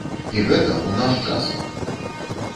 І гэта ў наш час!